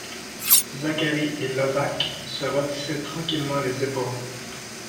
Zacharie et Levaque se rôtissaient tranquillement les épaules.